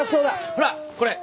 ほらこれ。